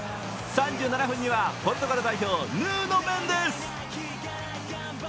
３７分にはポルトガル代表ヌーノ・メンデス。